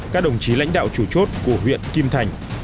các đồng chí lãnh đạo chủ chốt của huyện kim thành